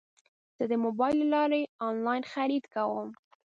زه د موبایل له لارې انلاین خرید کوم.